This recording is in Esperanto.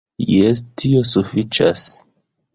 Jes, tio sufiĉas...